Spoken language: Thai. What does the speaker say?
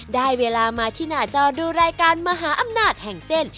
ได้เวลามาที่หน้าจอดูรายการมหาอำนาจแห่งเส้น